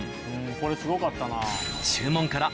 これすごかったなぁ。